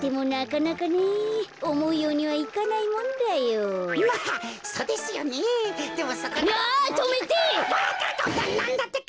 なんだってか？